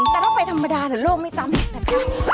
แต่เราไปธรรมดาเหลือโลกไม่จำนะคะ